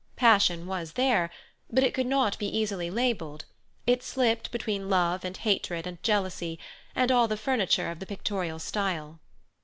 Passion was there, but it could not be easily labelled; it slipped between love and hatred and jealousy, and all the furniture of the pictorial style.